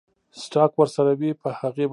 سټاک ورسره وي پۀ هغې به يې کوي ـ